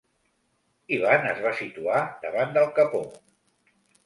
Ivan es va situar davant del capot.